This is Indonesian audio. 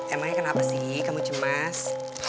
emang ya kenapa sih kamu cemas